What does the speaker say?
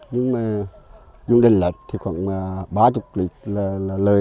nhưng mà dùng đèn led thì khoảng ba triệu